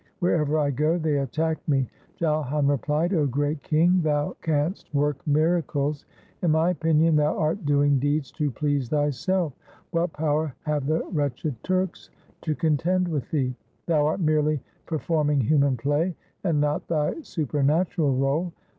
Wherever I go, they attack me.' Jalhan replied, ' O great king, thou canst work miracles. In my opinion thou art doing deeds to please thyself. What power have the wretched Turks to contend with thee ? Thou art merely per forming human play, and not thy supernatural role.